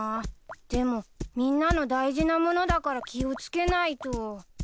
でもみんなの大事なものだから気を付けないと。